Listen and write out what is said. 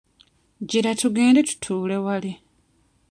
Gira tugende tutuule wali.